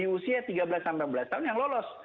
usia tiga belas sembilan belas tahun yang lolos